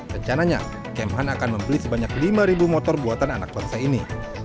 rencananya kemhan akan membeli sebanyak lima motor buatan anak bangsa ini